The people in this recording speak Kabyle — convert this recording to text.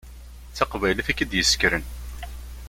D taqbaylit i k-id-yessekren.